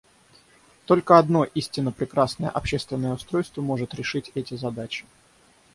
Только одно истинно прекрасное общественное устройство может решить эти задачи.